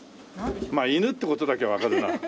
まあ犬っていう事だけはわかるな。